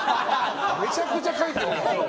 めちゃくちゃ書いてるじゃん。